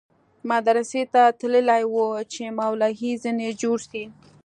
مدرسې ته تللى و چې مولوى ځنې جوړ سي.